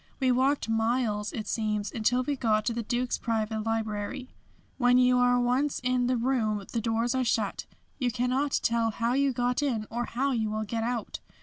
We walked miles, it seems, until we got to the Duke's private library. When you are once in the room the doors are shut. You cannot tell how you got in or how you will get out.